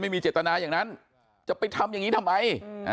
ไม่มีเจตนาอย่างนั้นจะไปทำอย่างนี้ทำไม